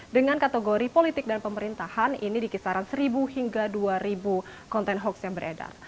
dengan kategori politik dan pemerintahan ini di kisaran seribu hingga dua ribu konten hoax yang beredar